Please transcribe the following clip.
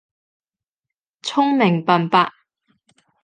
聰明笨伯